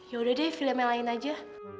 yaudah deh film yang lain aja